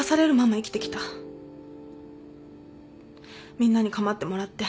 みんなに構ってもらって。